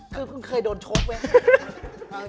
คือคุณเคยโดนชกไหม